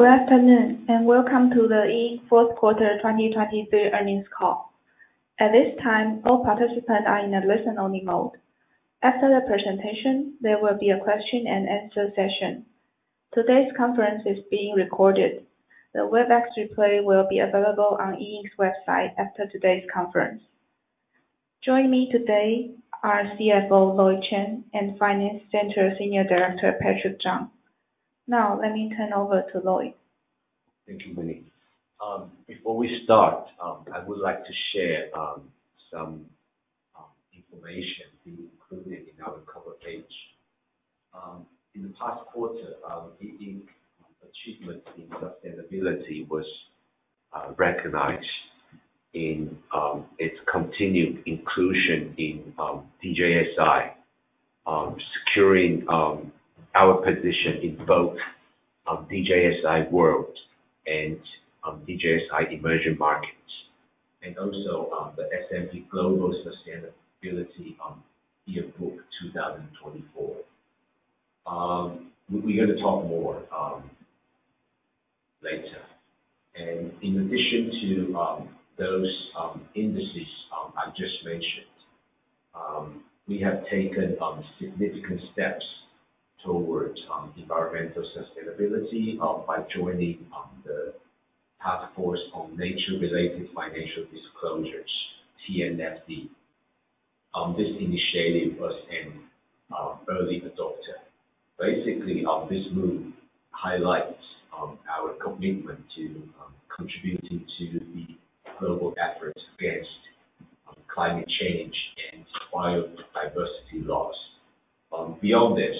Good afternoon and welcome to the E Ink Fourth Quarter 2023 earnings call. At this time, all participants are in a listen-only mode. After the presentation, there will be a question-and-answer session. Today's conference is being recorded. The WebEx replay will be available on E Ink's website after today's conference. Joining me today are CFO Lloyd Chen and Finance Center Senior Director Patrick Chang. Now, let me turn over to Lloyd. Thank you, Winnie. Before we start, I would like to share some information being included in our cover page. In the past quarter, E Ink's achievements in sustainability were recognized in its continued inclusion in DJSI, securing our position in both DJSI World and DJSI Emerging Markets, and also the S&P Global Sustainability Yearbook 2024. We're going to talk more later. In addition to those indices I just mentioned, we have taken significant steps towards environmental sustainability by joining the Task Force on Nature-Related Financial Disclosures, TNFD. This initiative was an early adopter. Basically, this move highlights our commitment to contributing to the global efforts against climate change and biodiversity loss. Beyond this, E Ink is deeply involved in various initiatives at ecosystem restoration and sustainability. We definitely will also talk more later. All right, thanks, Paige. Before we officially start, let's take a few seconds at the safe harbor statement. All right, thanks, Paige. I think right after CES exhibition, we received quite a few inquiries. They asked why there's no BMW concept cars being showcased this year. Actually, we have been working with BMW continuously. So let's take a quick look at the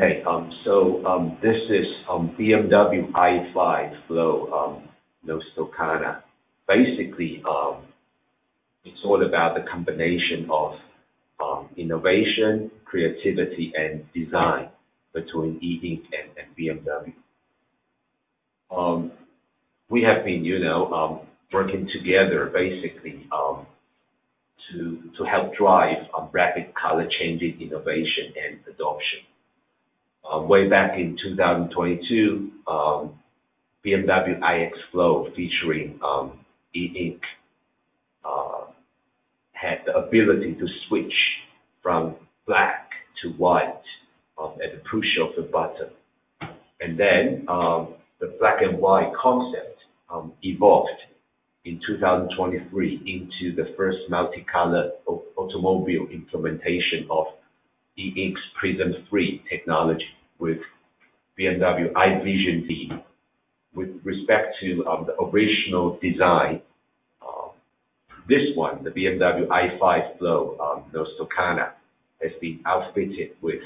video clip first, and then I'm going to talk more about the new project that we have been working with BMW. Okay. So this is BMW i5 Flow NOSTOKANA. Basically, it's all about the combination of innovation, creativity, and design between E Ink and BMW. We have been working together, basically, to help drive rapid color-changing innovation and adoption. Way back in 2022, BMW iX Flow featuring E Ink had the ability to switch from black to white at the push of a button. Then the black-and-white concept evolved in 2023 into the first multicolor automobile implementation of E Ink's Prism 3 technology with BMW i Vision Dee. With respect to the original design, this one, the BMW i5 Flow NOSTOKANA, has been outfitted with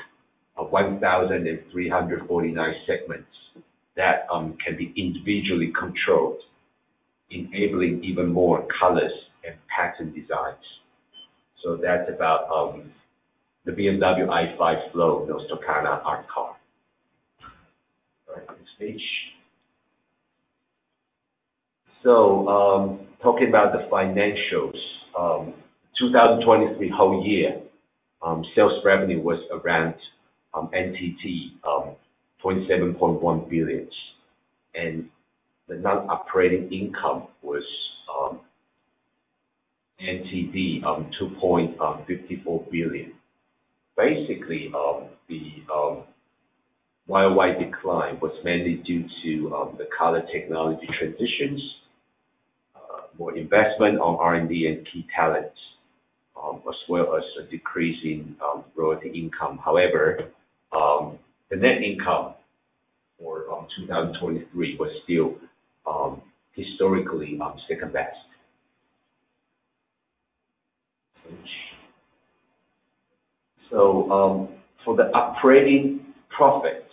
1,349 segments that can be individually controlled, enabling even more colors and pattern designs. So that's about the BMW i5 Flow NOSTOKANA art car. All right, thanks, Paige. So talking about the financials, 2023 whole year, sales revenue was around 27.1 billion, and the non-operating income was 2.54 billion. Basically, the worldwide decline was mainly due to the color technology transitions, more investment on R&D and key talents, as well as a decrease in royalty income. However, the net income for 2023 was still historically second-best. So for the operating profit,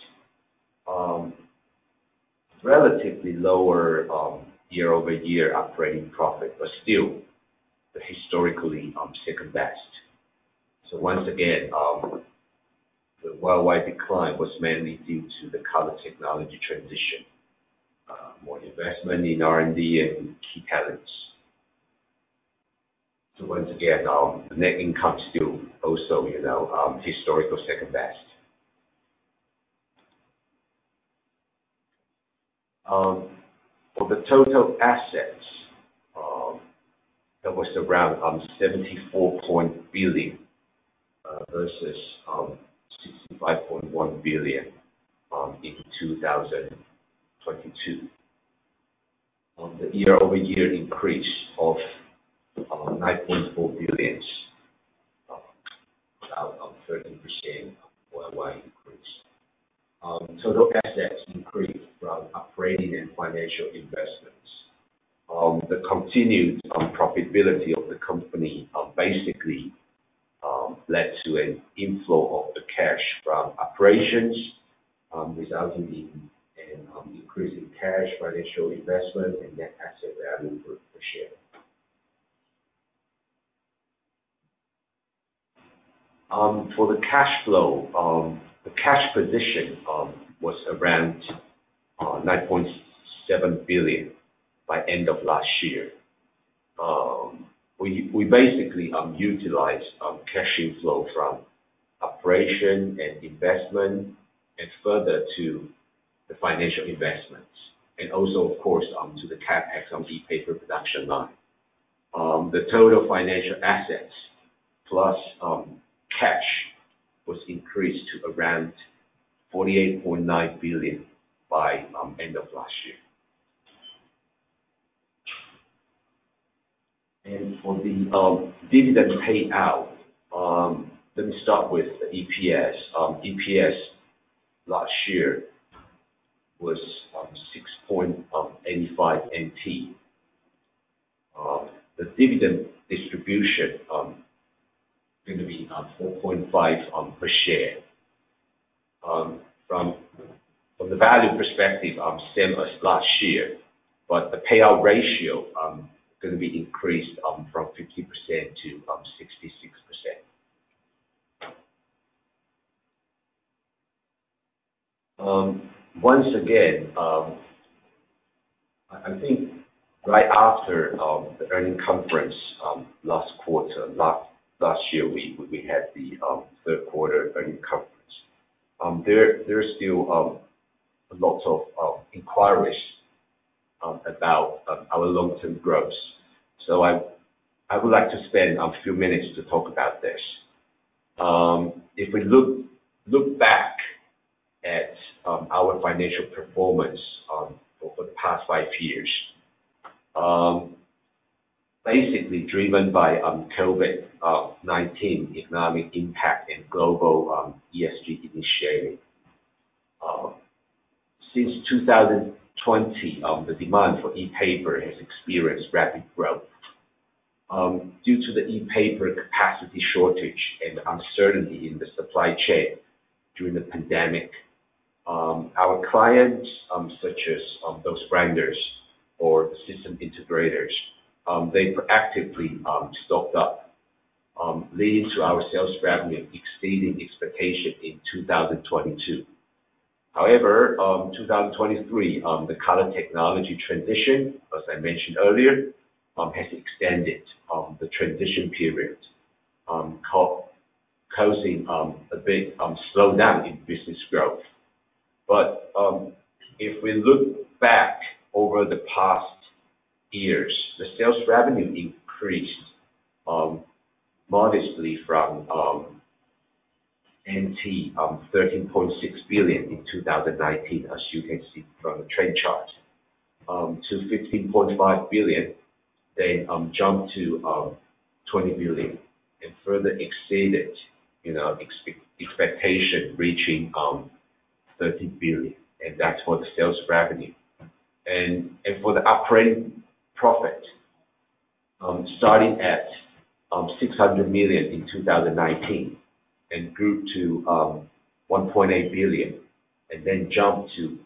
relatively lower year-over-year operating profit, but still the historically second-best. So once again, the worldwide decline was mainly due to the color technology transition, more investment in R&D and key talents. So once again, the net income's still also historically second-best. For the total assets, that was around 74.0 billion versus 65.1 billion in 2022. The year-over-year increase of TWD 9.4 billion, about a 13% worldwide increase. Total assets increased from operating and financial investments. The continued profitability of the company basically led to an inflow of the cash from operations, resulting in an increase in cash financial investment and net asset value per share. For the cash flow, the cash position was around 9.7 billion by end of last year. We basically utilized cash flow from operation and investment and further to the financial investments and also, of course, to the CapEx on e-paper production line. The total financial assets plus cash was increased to around 48.9 billion by end of last year. For the dividend payout, let me start with the EPS. EPS last year was 6.85 NT. The dividend distribution is going to be 4.5 TWD per share. From the value perspective, same. Last year, but the payout ratio is going to be increased from 50% to 66%. Once again, I think right after the earnings conference last quarter last year, we had the third quarter earnings conference. There are still lots of inquiries about our long-term growth. I would like to spend a few minutes to talk about this. If we look back at our financial performance for the past five years, basically driven by COVID-19 economic impact and global ESG initiating, since 2020, the demand for e-paper has experienced rapid growth. Due to the e-paper capacity shortage and uncertainty in the supply chain during the pandemic, our clients, such as those vendors or system integrators, they proactively stocked up, leading to our sales revenue exceeding expectations in 2022. However, in 2023, the color technology transition, as I mentioned earlier, has extended the transition period, causing a bit of a slowdown in business growth. But if we look back over the past years, the sales revenue increased modestly from 13.6 billion in 2019, as you can see from the trend chart, to 15.5 billion, then jumped to 20 billion, and further exceeded expectations, reaching 30 billion. That's for the sales revenue. For the upper-end profit, starting at 600 million in 2019 and grew to 1.8 billion, and then jumped to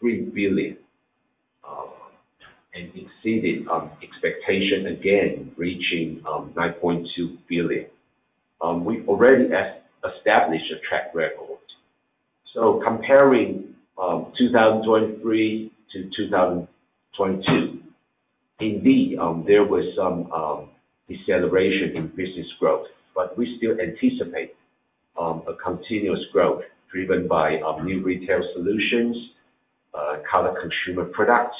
3 billion and exceeded expectations, again reaching 9.2 billion. We've already established a track record. So comparing 2023 to 2022, indeed, there was some deceleration in business growth, but we still anticipate a continuous growth driven by new retail solutions, color consumer products,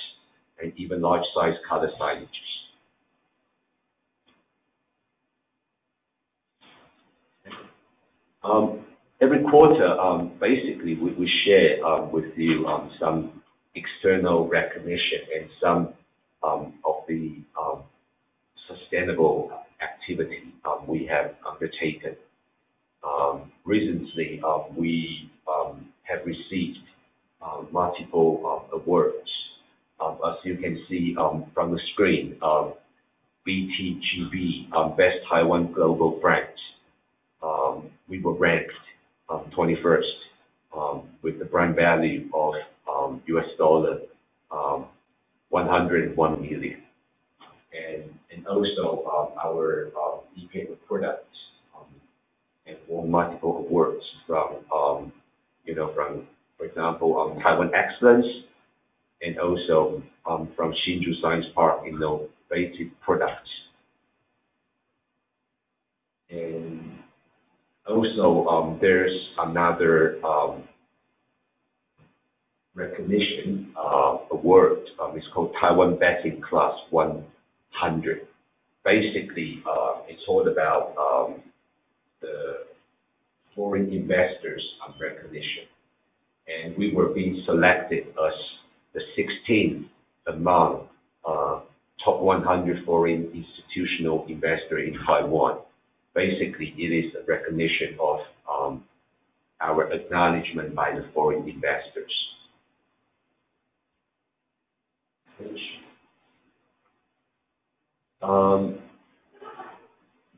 and even large-sized color signages. Every quarter, basically, we share with you some external recognition and some of the sustainable activity we have undertaken. Recently, we have received multiple awards. As you can see from the screen, BTGB, Best Taiwan Global Brand, we were ranked 21st with a brand value of $101 million. And also our e-paper products have won multiple awards from, for example, Taiwan Excellence and also from Hsinchu Science Park innovative products. And also there's another recognition award. It's called Taiwan Best-in-Class 100. Basically, it's all about the foreign investors' recognition. And we were being selected as the 16th among top 100 foreign institutional investors in Taiwan. Basically, it is a recognition of our acknowledgment by the foreign investors.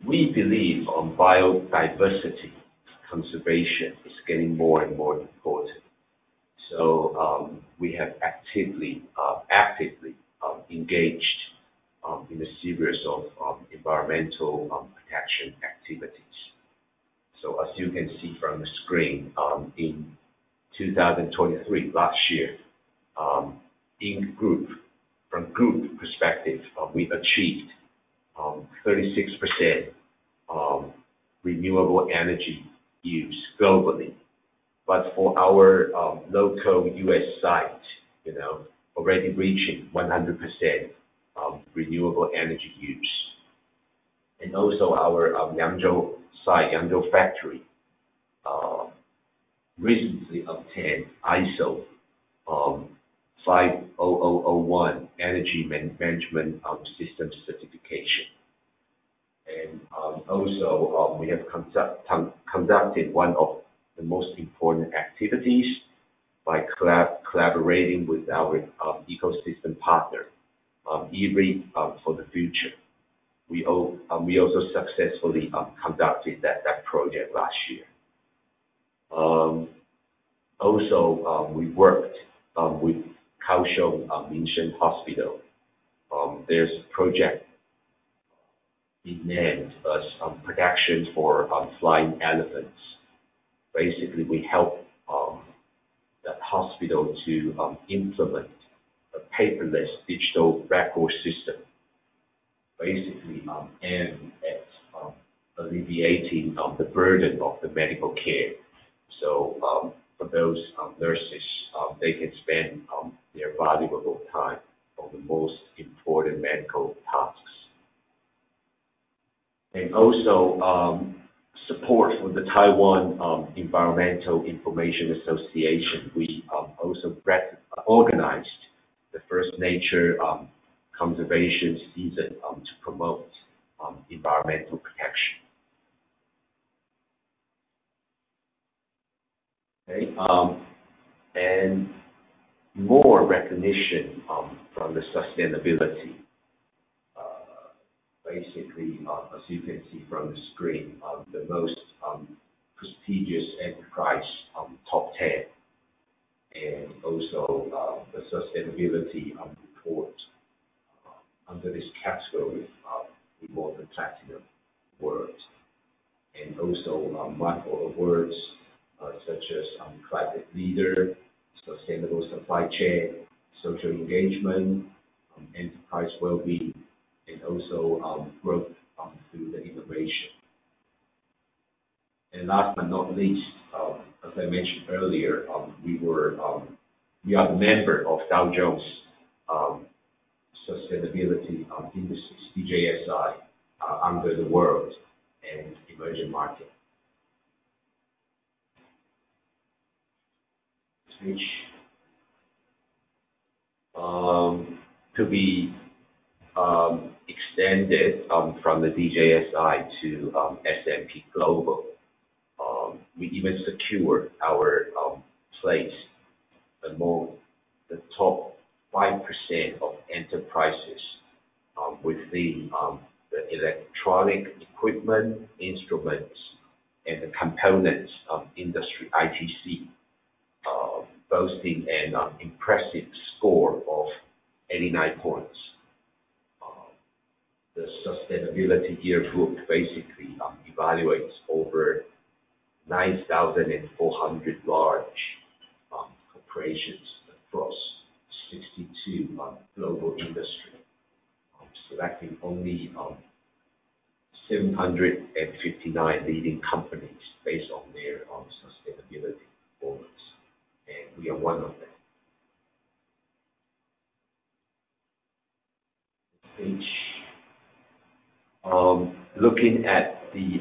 We believe biodiversity conservation is getting more and more important. So we have actively engaged in a series of environmental protection activities. So as you can see from the screen, in 2023, last year, from group perspective, we achieved 36% renewable energy use globally, but for our local US site, already reaching 100% renewable energy use. And also our Yangzhou site, Yangzhou factory, recently obtained ISO 50001 Energy Management Systems Certification. And also we have conducted one of the most important activities by collaborating with our ecosystem partner, e-READ for the Future. We also successfully conducted that project last year. Also, we worked with Kaohsiung Municipal Min-Sheng Hospital. There's a project named as Protection for Flying Elephants. Basically, we helped that hospital to implement a paperless digital record system, basically aimed at alleviating the burden of the medical care. So for those nurses, they can spend their valuable time on the most important medical tasks. And also support for the Taiwan Environmental Information Association, we also organized the first nature conservation season to promote environmental protection. Okay? And more recognition from the sustainability. Basically, as you can see from the screen, the most prestigious enterprise top 10 and also the sustainability report under this category, we won the platinum award. And also multiple awards such as climate leader, sustainable supply chain, social engagement, enterprise well-being, and also growth through the innovation. And last but not least, as I mentioned earlier, we are a member of Dow Jones Sustainability Indices, DJSI World and Emerging Markets. To be extended from the DJSI to S&P Global, we even secured our place among the top 5% of enterprises within the electronic equipment, instruments, and the components industry ITC, boasting an impressive score of 89 points. The Sustainability Yearbook basically evaluates over 9,400 large corporations across 62 global industries, selecting only 759 leading companies based on their sustainability performance. We are one of them. Looking at the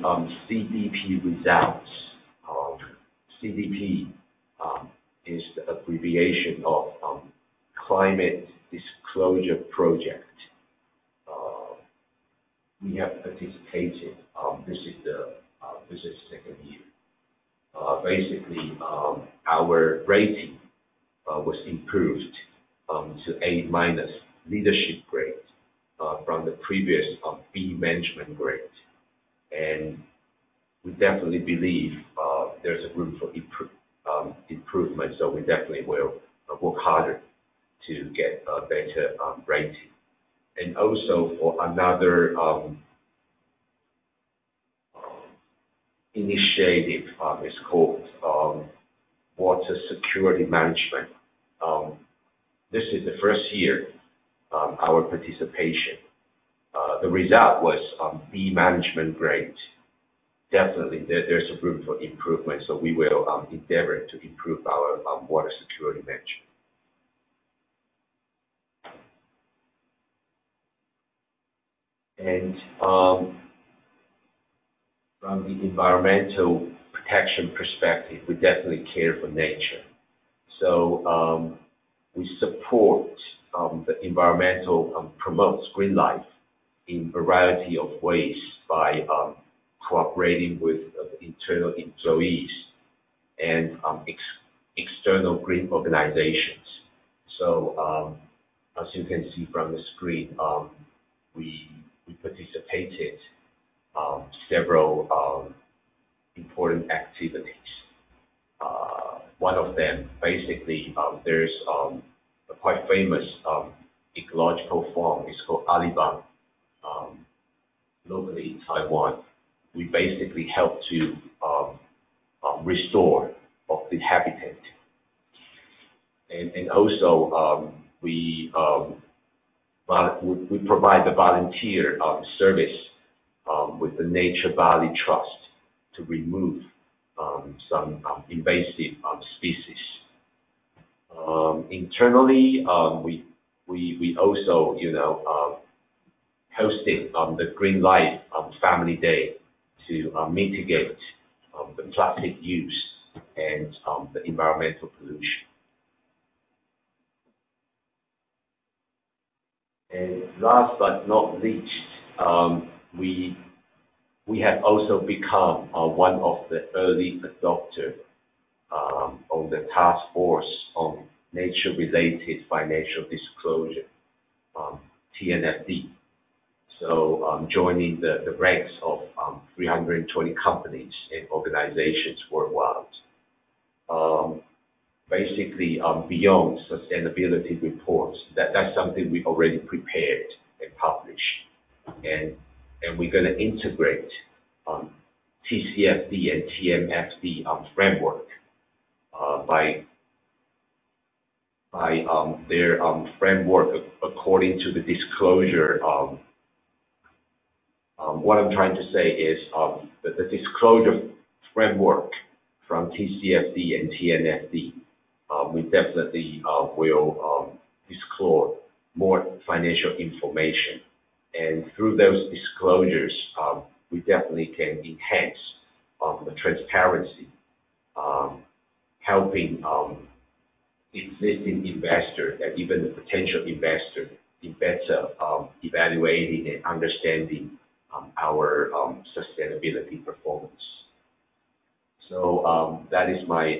CDP results, CDP is the abbreviation of Carbon Disclosure Project. We have participated. This is the second year. Basically, our rating was improved to A- leadership grade from the previous B management grade. We definitely believe there's a room for improvement, so we definitely will work harder to get a better rating. Also for another initiative, it's called Water Security Management. This is the first year our participation. The result was B management grade. Definitely, there's a room for improvement, so we will endeavor to improve our water security management. From the environmental protection perspective, we definitely care for nature. We support the environmental promotes green life in a variety of ways by cooperating with internal employees and external green organizations. As you can see from the screen, we participated in several important activities. One of them, basically, there's a quite famous ecological farm. It's called Alibang locally in Taiwan. We basically help to restore the habitat. We also provide the volunteer service with the Nature Valley Trust to remove some invasive species. Internally, we also hosted the Green Life Family Day to mitigate the plastic use and the environmental pollution. And last but not least, we have also become one of the early adopters on the task force on nature-related financial disclosure, TNFD, so joining the ranks of 320 companies and organizations worldwide. Basically, beyond sustainability reports, that's something we already prepared and published. We're going to integrate TCFD and TNFD framework by their framework according to the disclosure. What I'm trying to say is the disclosure framework from TCFD and TNFD, we definitely will disclose more financial information. Through those disclosures, we definitely can enhance the transparency, helping existing investors and even the potential investors in better evaluating and understanding our sustainability performance. So that is my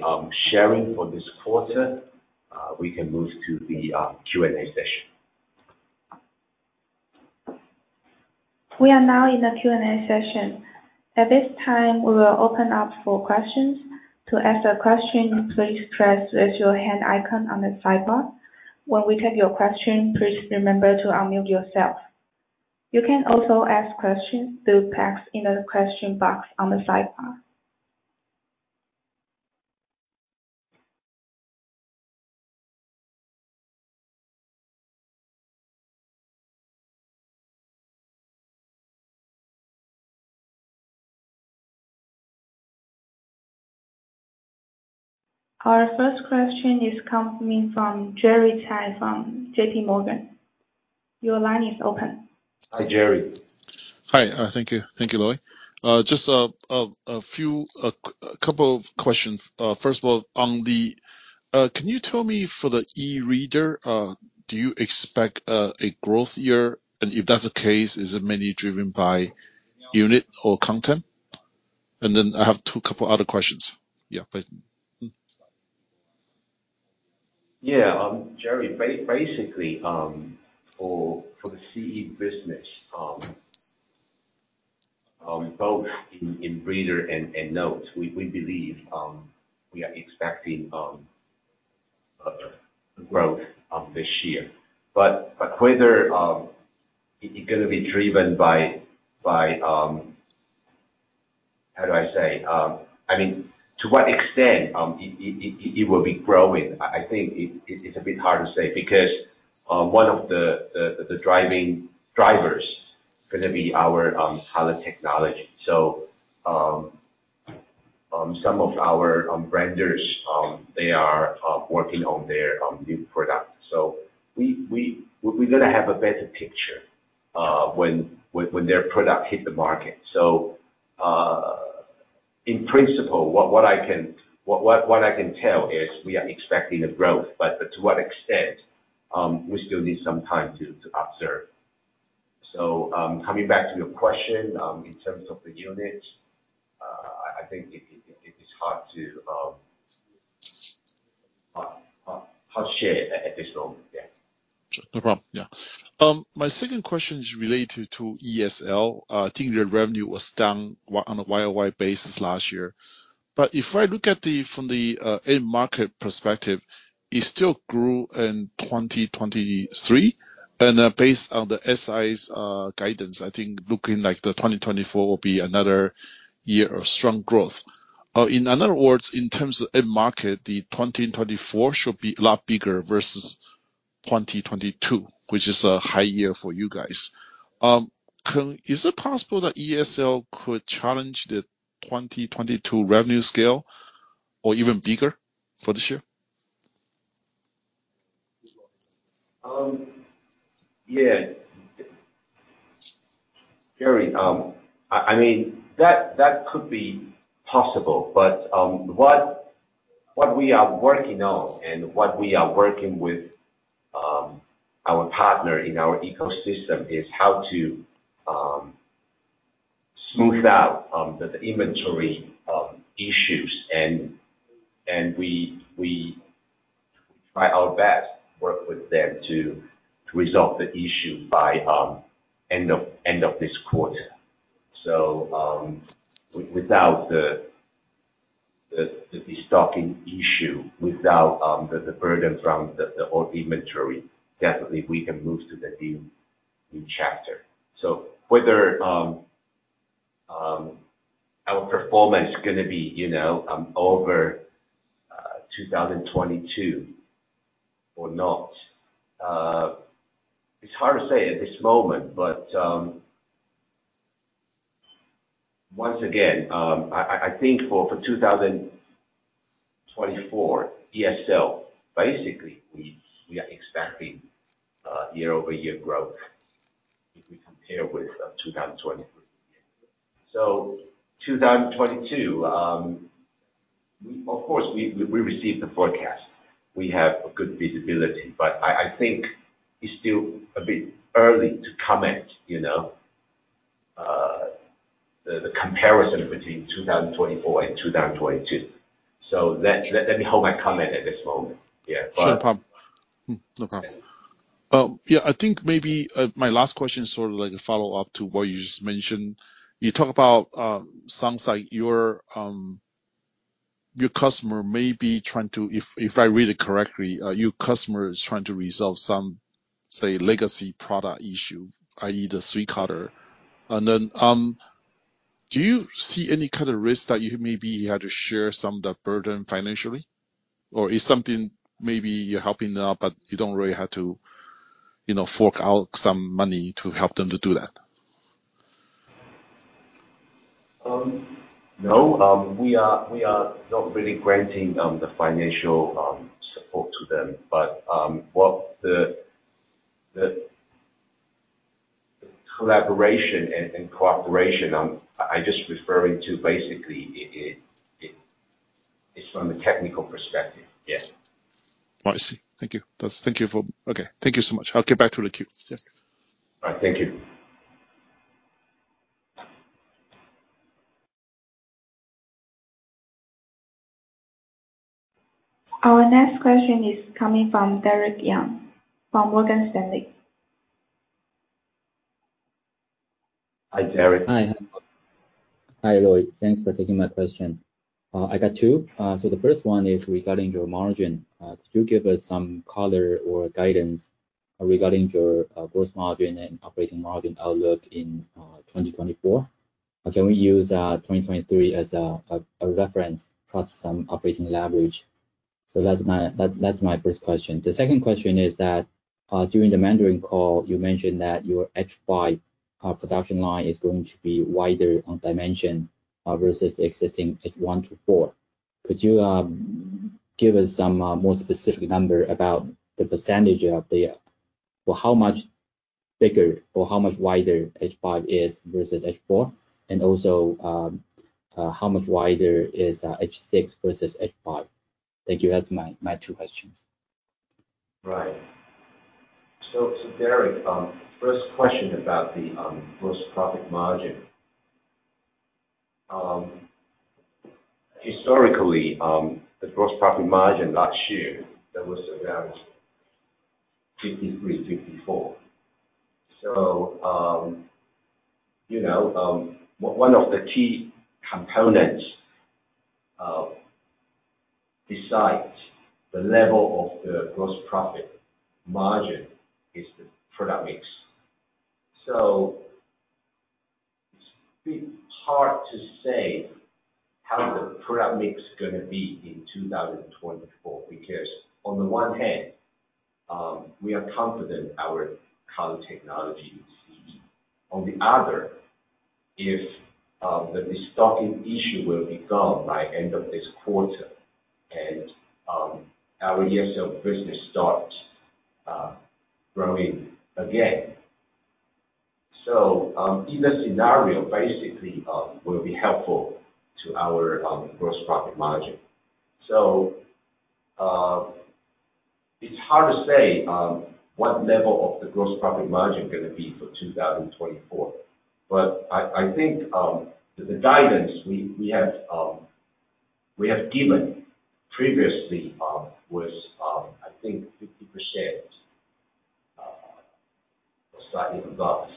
sharing for this quarter. We can move to the Q&A session. We are now in the Q&A session. At this time, we will open up for questions. To ask a question, please press raise your hand icon on the sidebar. When we take your question, please remember to unmute yourself. You can also ask questions through text in the question box on the sidebar. Our first question is coming from Jerry Tyson from JPMorgan. Your line is open. Hi, Jerry. Hi. Thank you. Thank you, Lloyd. Just a couple of questions. First of all, can you tell me for the e-reader, do you expect a growth year? And if that's the case, is it mainly driven by unit or content? And then I have a couple of other questions. Yeah, please. Yeah. Jerry, basically, for the CE business, both in reader and notes, we believe we are expecting growth this year. But whether it's going to be driven by how do I say? I mean, to what extent it will be growing, I think it's a bit hard to say because one of the drivers is going to be our color technology. So some of our vendors, they are working on their new product. So we're going to have a better picture when their product hits the market. So in principle, what I can tell is we are expecting a growth, but to what extent, we still need some time to observe. So coming back to your question, in terms of the units, I think it is hard to share at this moment. Yeah. No problem. Yeah. My second question is related to ESL. I think their revenue was down on a YOY basis last year. But if I look at it from the end market perspective, it still grew in 2023. Based on the SI's guidance, I think looking like the 2024 will be another year of strong growth. In other words, in terms of end market, the 2024 should be a lot bigger versus 2022, which is a high year for you guys. Is it possible that ESL could challenge the 2022 revenue scale or even bigger for this year? Yeah. Jerry, I mean, that could be possible. But what we are working on and what we are working with our partner in our ecosystem is how to smooth out the inventory issues. And we try our best to work with them to resolve the issue by end of this quarter. So without the stocking issue, without the burden from the old inventory, definitely, we can move to the new chapter. So whether our performance is going to be over 2022 or not, it's hard to say at this moment. But once again, I think for 2024, ESL, basically, we are expecting year-over-year growth if we compare with 2023. So 2022, of course, we received the forecast. We have good visibility. But I think it's still a bit early to comment the comparison between 2024 and 2022. So let me hold my comment at this moment. Yeah. But. Sure. No problem. Yeah. I think maybe my last question is sort of a follow-up to what you just mentioned. You talk about sounds like your customer may be trying to if I read it correctly, your customer is trying to resolve some, say, legacy product issue, i.e., the three-cutter. And then do you see any kind of risk that maybe he had to share some of the burden financially? Or is something maybe you're helping them out, but you don't really have to fork out some money to help them to do that? No. We are not really granting the financial support to them. But what the collaboration and cooperation, I'm just referring to basically, it's from the technical perspective. Yeah. I see. Thank you. Thank you for okay. Thank you so much. I'll get back to the queue. Yeah. All right. Thank you. Our next question is coming from Derrick Yang from Morgan Stanley. Hi, Derrick. Hi. Hi, Lloyd. Thanks for taking my question. I got two. So the first one is regarding your margin. Could you give us some color or guidance regarding your gross margin and operating margin outlook in 2024? Can we use 2023 as a reference plus some operating leverage? So that's my first question. The second question is that during the management call, you mentioned that your H5 production line is going to be wider in dimension versus the existing H1 to H4. Could you give us some more specific number about the percentage as well, how much bigger or how much wider H5 is versus H4, and also how much wider is H6 versus H5? Thank you. That's my two questions. Right. So Derrick, first question about the gross profit margin. Historically, the gross profit margin last year, that was around 53%-54%. So one of the key components that decides the level of the gross profit margin is the product mix. So it's a bit hard to say how the product mix is going to be in 2024 because on the one hand, we are confident in our color technology CE. On the other, if the stocking issue will be gone by end of this quarter and our ESL business starts growing again, so either scenario basically will be helpful to our gross profit margin. So it's hard to say what level of the gross profit margin is going to be for 2024. But I think the guidance we have given previously was, I think, 50% or slightly above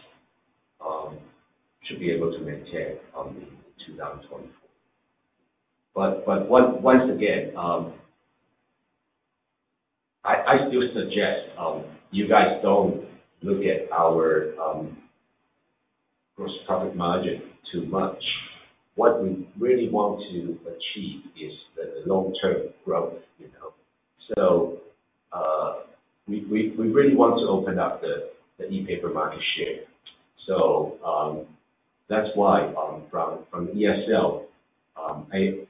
should be able to maintain in 2024. But once again, I still suggest you guys don't look at our gross profit margin too much. What we really want to achieve is the long-term growth. So we really want to open up the e-paper market share. So that's why from ESL, a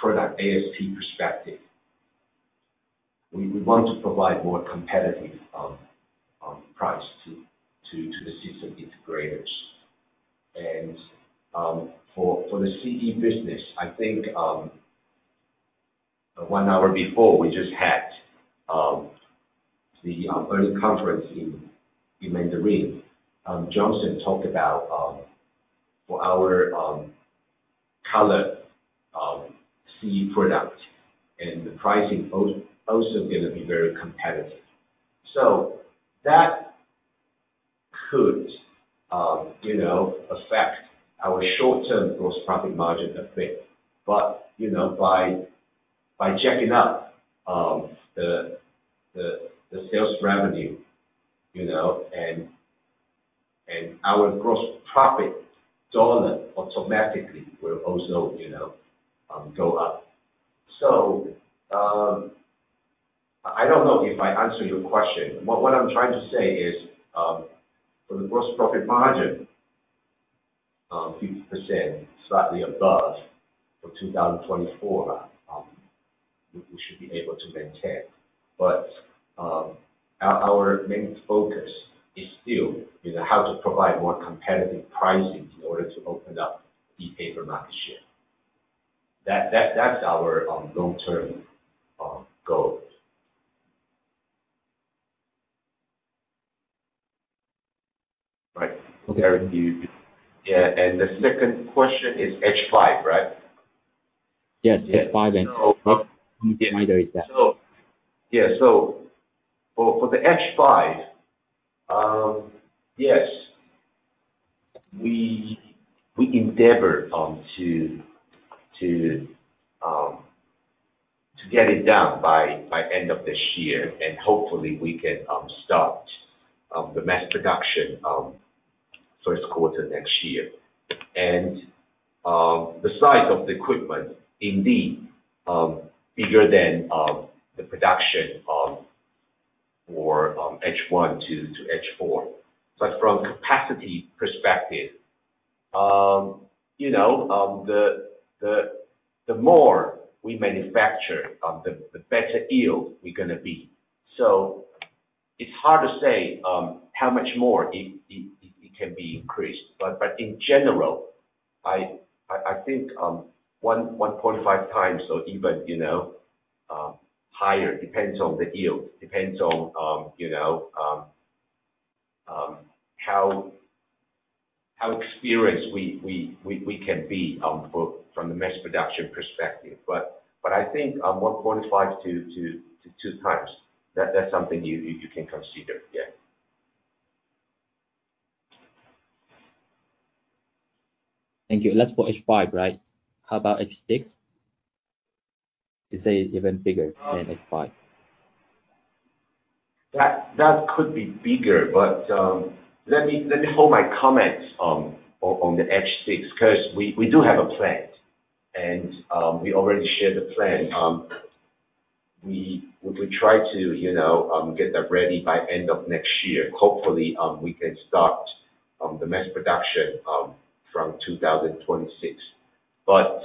product ASP perspective, we want to provide more competitive price to the system integrators. For the CE business, I think one hour before, we just had the earnings conference in Mandarin. Johnson talked about for our color CE product and the pricing also going to be very competitive. So that could affect our short-term gross profit margin a bit. But by checking up the sales revenue and our gross profit dollar automatically will also go up. So I don't know if I answered your question. What I'm trying to say is for the gross profit margin, 50%, slightly above for 2024, we should be able to maintain. But our main focus is still how to provide more competitive pricing in order to open up e-paper market share. That's our long-term goal. Right. Derrick, you. Yeah. And the second question is H5, right? Yes. H5. And what provider is that? Yeah. So for the H5, yes. We endeavor to get it down by end of this year. Hopefully, we can start the mass production first quarter next year. And the size of the equipment, indeed, bigger than the production for H1 to H4. But from a capacity perspective, the more we manufacture, the better yield we're going to be. So it's hard to say how much more it can be increased. But in general, I think 1.5 times or even higher depends on the yield. Depends on how experienced we can be from the mass production perspective. But I think 1.5 to 2 times, that's something you can consider. Yeah. Thank you. Let's put H5, right? How about H6? Is it even bigger than H5? That could be bigger. But let me hold my comments on the H6 because we do have a plan. We already shared the plan. We try to get that ready by end of next year. Hopefully, we can start the mass production from 2026. But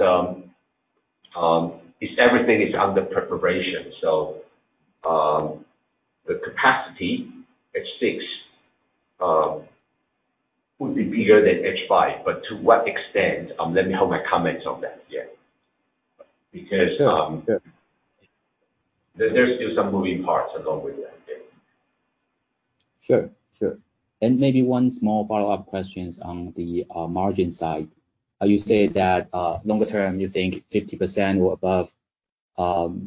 everything is under preparation. So the capacity, H6, would be bigger than H5. But to what extent, let me hold my comments on that. Yeah. Because there's still some moving parts along with that. Sure. Sure. And maybe one small follow-up question on the margin side. You say that longer term, you think 50% or above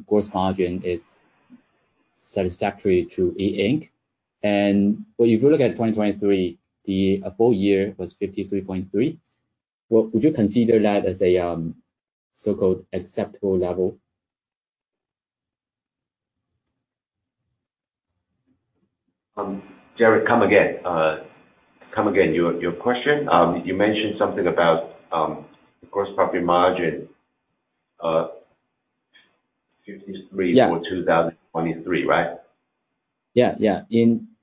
gross margin is satisfactory to E Ink. And when you look at 2023, the full year was 53.3. Would you consider that as a so-called acceptable level? Derek, come again. Come again, your question. You mentioned something about the gross profit margin, 53 for 2023, right? Yeah. Yeah.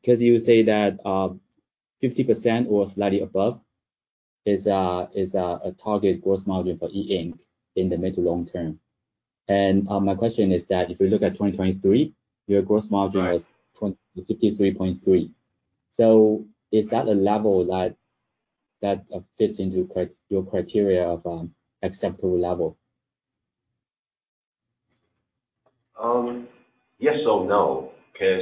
Because you say that 50% or slightly above is a target gross margin for E Ink in the mid to long term. And my question is that if you look at 2023, your gross margin was 53.3. So is that a level that fits into your criteria of acceptable level? Yes or no because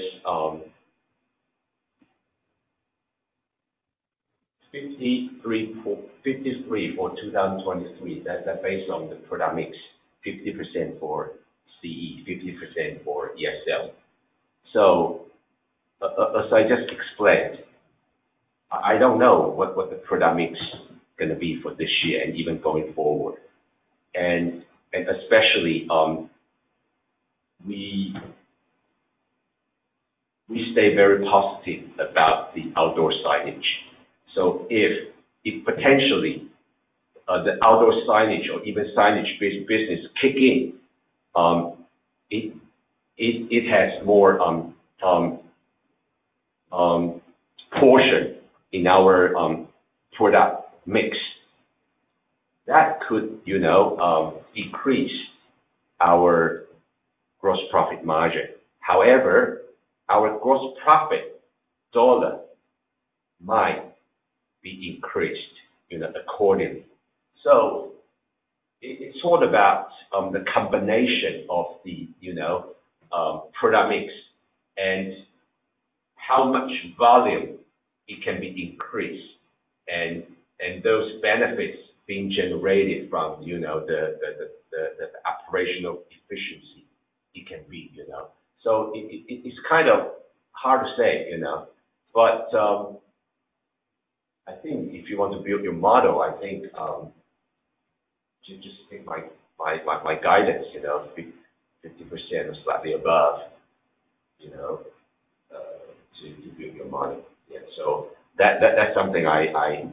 53 for 2023, that's based on the product mix, 50% for CE, 50% for ESL. So as I just explained, I don't know what the product mix is going to be for this year and even going forward. And especially, we stay very positive about the outdoor signage. So if potentially, the outdoor signage or even signage business kicks in, it has more portion in our product mix, that could decrease our gross profit margin. However, our gross profit dollar might be increased accordingly. So it's all about the combination of the product mix and how much volume it can be increased and those benefits being generated from the operational efficiency it can be. So it's kind of hard to say. But I think if you want to build your model, I think just take my guidance, 50% or slightly above to build your model. Yeah. So that's something I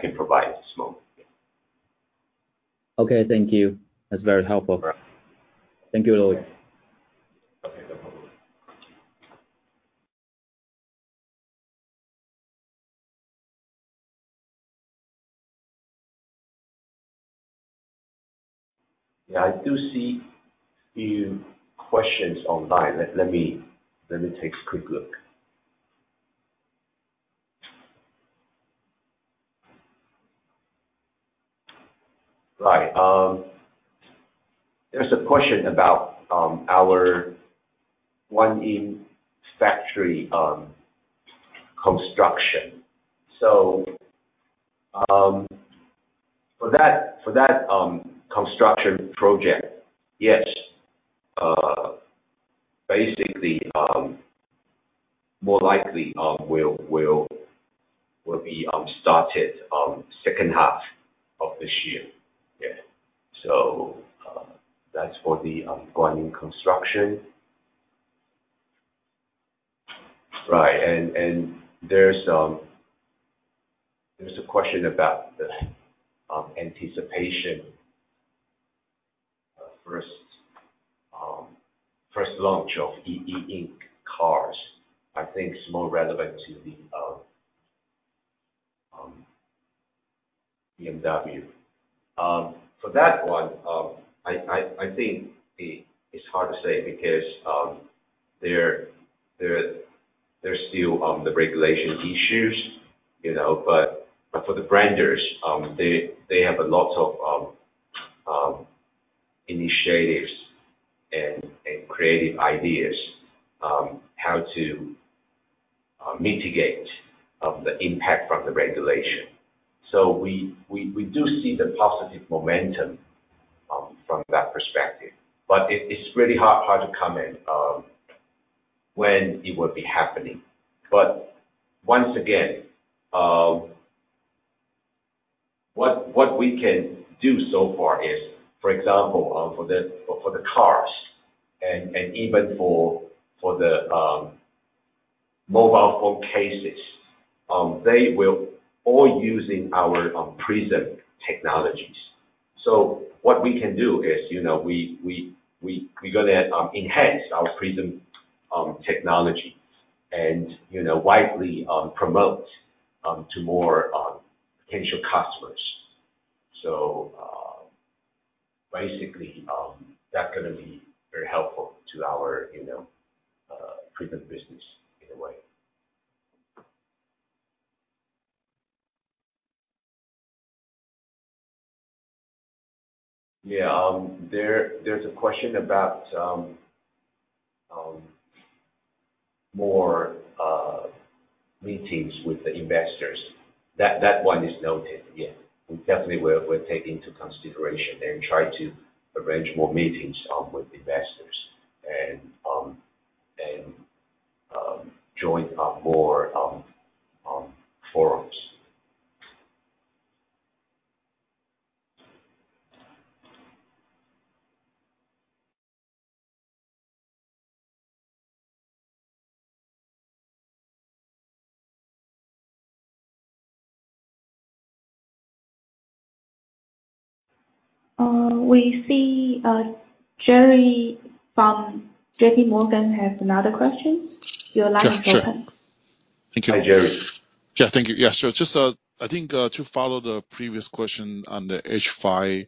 can provide at this moment. Yeah. Okay. Thank you. That's very helpful. Thank you, Lloyd. Okay. No problem. Yeah. I do see a few questions online. Let me take a quick look. Right. There's a question about our Guanyin factory construction. So for that construction project, yes. Basically, more likely will be started second half of this year. Yeah. So that's for the Guanyin construction. Right. And there's a question about the anticipated first launch of E Ink cars. I think it's more relevant to the BMW. For that one, I think it's hard to say because there's still the regulation issues. But for the branders, they have a lot of initiatives and creative ideas how to mitigate the impact from the regulation. So we do see the positive momentum from that perspective. But it's really hard to comment when it will be happening. But once again, what we can do so far is, for example, for the cars and even for the mobile phone cases, they will all be using our Prism technologies. So what we can do is we're going to enhance our Prism technology and widely promote to more potential customers. So basically, that's going to be very helpful to our Prism business in a way. Yeah. There's a question about more meetings with the investors. That one is noted. Yeah. We definitely will take into consideration and try to arrange more meetings with investors and join more forums. We see Jerry from J.P. Morgan has another question. Your line is open. Sure. Thank you. Hi, Jerry. Yeah. Thank you. Yeah. So I think to follow the previous question on the H5,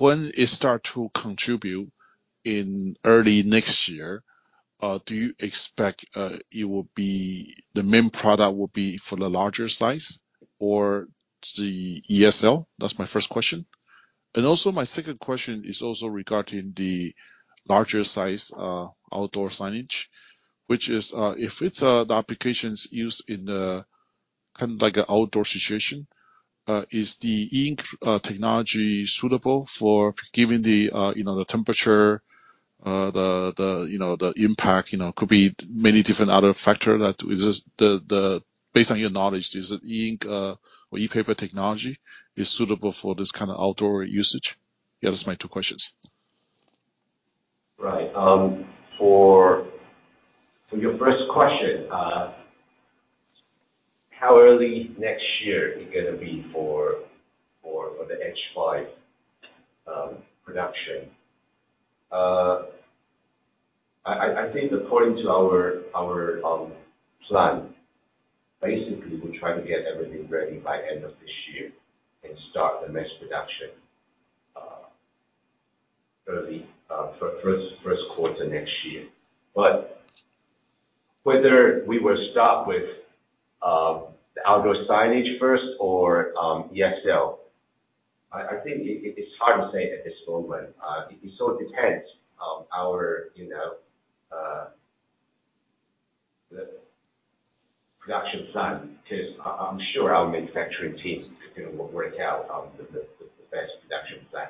when it starts to contribute in early next year, do you expect it will be the main product will be for the larger size or the ESL? That's my first question. And also, my second question is also regarding the larger size outdoor signage, which is if it's the applications used in kind of an outdoor situation, is the E Ink technology suitable for given the temperature, the impact? Could be many different other factors that is it based on your knowledge, is it E Ink or e-paper technology is suitable for this kind of outdoor usage? Yeah. That's my two questions. Right. For your first question, how early next year is it going to be for the H5 production? I think according to our plan, basically, we'll try to get everything ready by end of this year and start the mass production early first quarter next year. But whether we will start with the outdoor signage first or ESL, I think it's hard to say at this moment. It so depends on our production plan because I'm sure our manufacturing team will work out the best production plan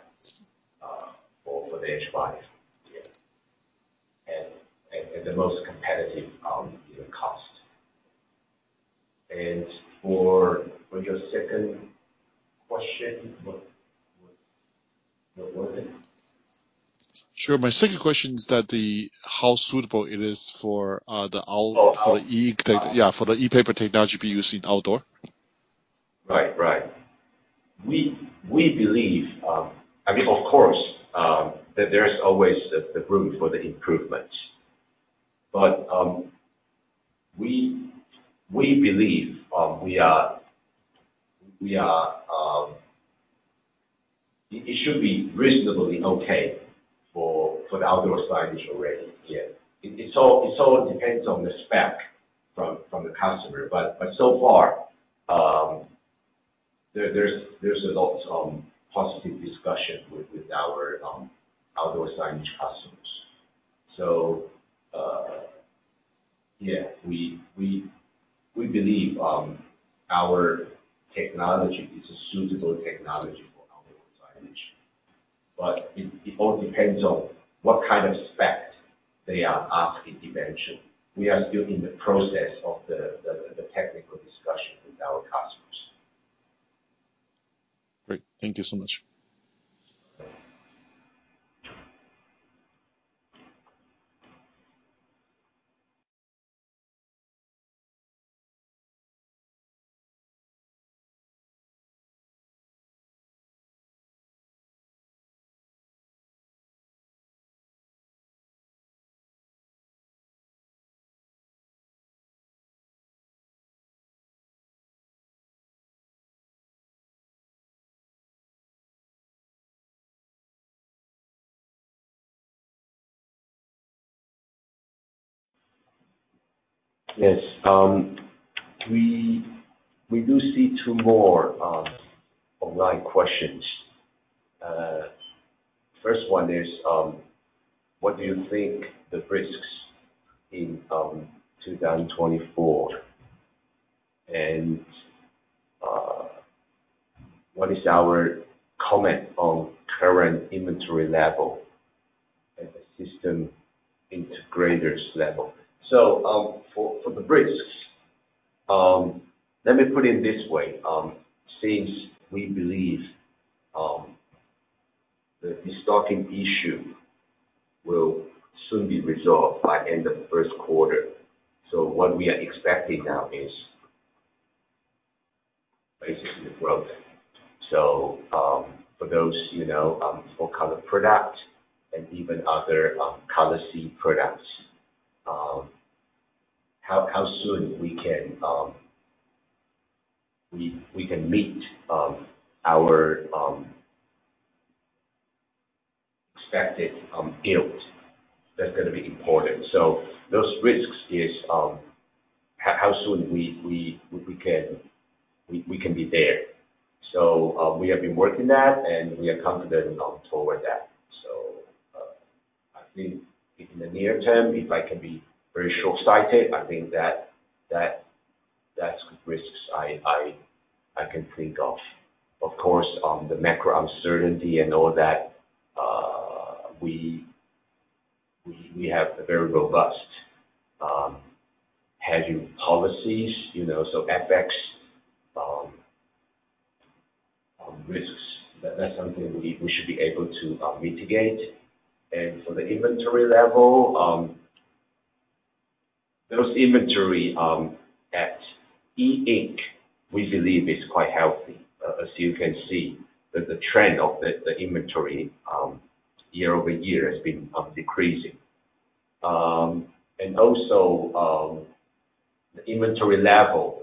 for the H5, yeah, at the most competitive cost. And for your second question, what was it? Sure. My second question is that how suitable it is for the E Ink, yeah, for the e-paper technology to be used in outdoor. Right. Right. I mean, of course, there's always the room for the improvements. But we believe we are it should be reasonably okay for the outdoor signage already. Yeah. It so depends on the spec from the customer. But so far, there's a lot of positive discussion with our outdoor signage customers. So yeah, we believe our technology is a suitable technology for outdoor signage. But it all depends on what kind of spec they are asking eventually. We are still in the process of the technical discussion with our customers. Great. Thank you so much. Yes. We do see two more online questions. The first one is, what do you think the risks in 2024? And what is our comment on current inventory level at the system integrators level? So for the risks, let me put it this way. Since we believe the stocking issue will soon be resolved by end of first quarter, so what we are expecting now is basically growth. So for those for color product and even other color C products, how soon we can meet our expected yield, that's going to be important. So those risks is how soon we can be there. So we have been working that, and we are confident toward that. So I think in the near term, if I can be very shortsighted, I think that's risks I can think of. Of course, the macro uncertainty and all that, we have very robust hedging policies. So FX risks, that's something we should be able to mitigate. And for the inventory level, those inventory at E Ink, we believe is quite healthy. As you can see, the trend of the inventory year-over-year has been decreasing. And also, the inventory level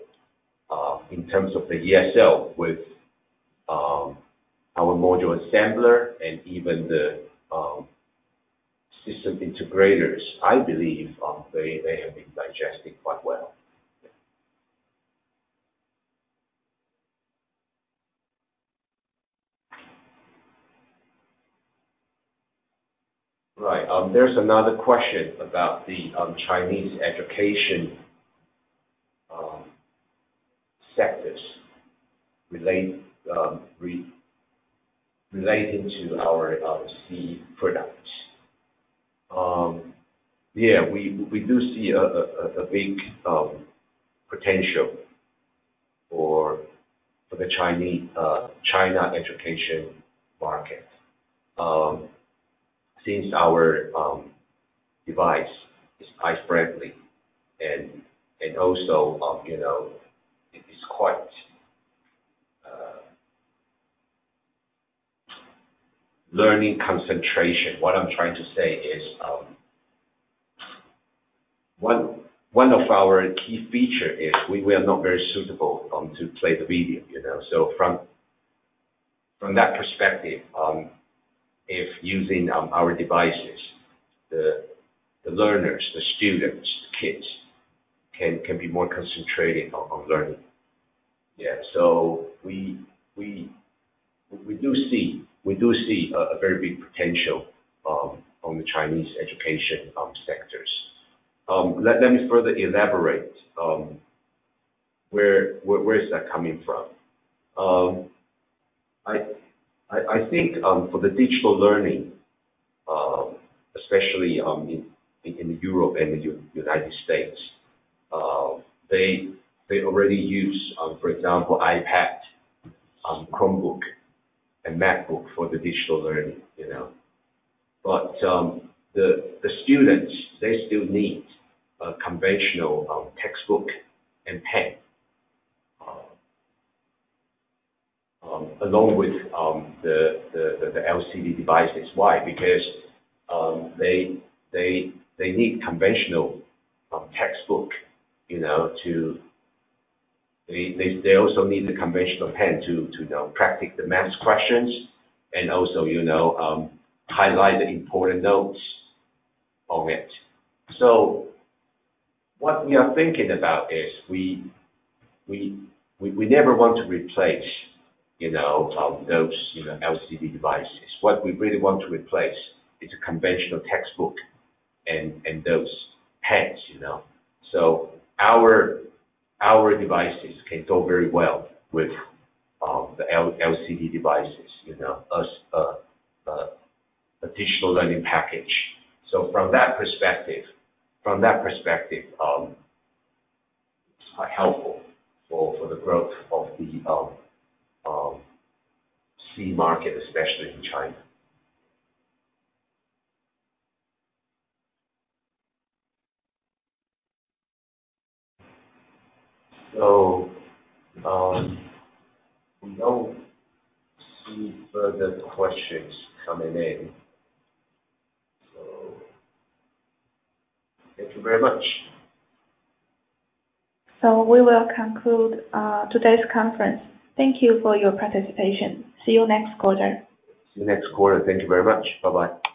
in terms of the ESL with our module assembler and even the system integrators, I believe they have been digesting quite well. Yeah. Right. There's another question about the Chinese education sectors relating to our CE products. Yeah. We do see a big potential for the China education market since our device is eye-friendly. And also, it's quite learning concentration. What I'm trying to say is one of our key features is we are not very suitable to play the video. So from that perspective, if using our devices, the learners, the students, the kids can be more concentrated on learning. Yeah. So we do see a very big potential on the Chinese education sectors. Let me further elaborate. Where is that coming from? I think for the digital learning, especially in Europe and the United States, they already use, for example, iPad, Chromebook, and MacBook for the digital learning. But the students, they still need a conventional textbook and pen along with the LCD devices. Why? Because they need conventional textbooks, so they also need a conventional pen to practice the math questions and also highlight the important notes on it. What we are thinking about is we never want to replace those LCD devices. What we really want to replace is a conventional textbook and those pens. Our devices can go very well with the LCD devices as a digital learning package. From that perspective, it's quite helpful for the growth of the CE market, especially in China. We don't see further questions coming in. Thank you very much. We will conclude today's conference. Thank you for your participation. See you next quarter. See you next quarter. Thank you very much. Bye-bye.